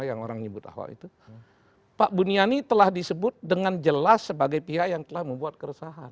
yang orang nyebut ahok itu pak buniani telah disebut dengan jelas sebagai pihak yang telah membuat keresahan